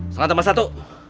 setengah tambah satu